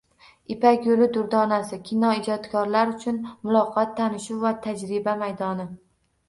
Ipak yo‘li durdonasi: Kinoijodkorlar uchun muloqot, tanishuv va tajriba maydoni